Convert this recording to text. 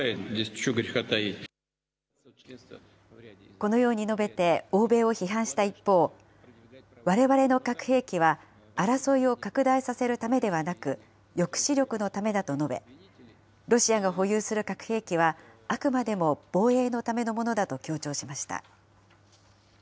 このように述べて、欧米を批判した一方、われわれの核兵器は争いを拡大させるためではなく、抑止力のためだと述べ、ロシアが保有する核兵器はあくまでも防衛のためのものだと強調しました。